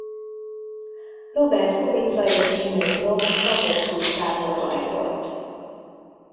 Robert Kubica és Timo Glock a boxutcából rajtolt.